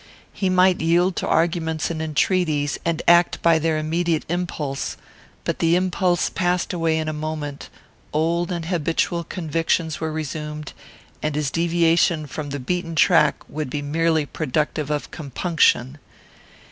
He might yield to arguments and entreaties, and act by their immediate impulse; but the impulse passed away in a moment, old and habitual convictions were resumed, and his deviation from the beaten track would be merely productive of compunction.